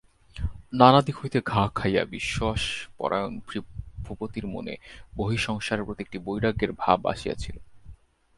নানা দিক হইতে ঘা খাইয়া বিশ্বাসপরায়ণ ভূপতির মনে বহিঃসংসারের প্রতি একটা বৈরাগ্যের ভাব আসিয়াছিল।